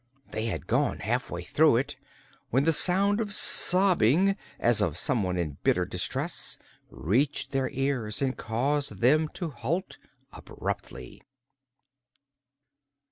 They had gone halfway through it when the sound of sobbing, as of someone in bitter distress, reached their ears and caused them to halt abruptly.